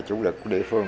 chủ lực của địa phương